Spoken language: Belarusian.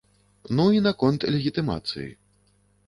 Ну і наконт легітымацыі.